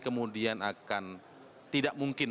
kemudian akan tidak mungkin